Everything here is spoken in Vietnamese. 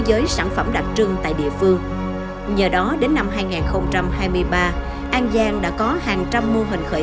với sản phẩm đặc trưng tại địa phương nhờ đó đến năm hai nghìn hai mươi ba an giang đã có hàng trăm mô hình khởi